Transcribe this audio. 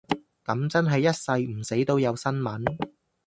噉真係一世唔死都有新聞